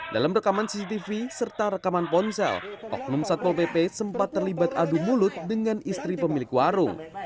dalam rekaman cctv serta rekaman ponsel oknum satpol pp sempat terlibat adu mulut dengan istri pemilik warung